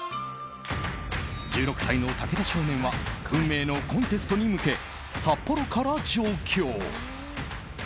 １６歳の武田少年は運命のコンテストに向け札幌から上京。